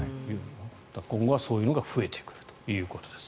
今後はそういうのが増えてくるということです。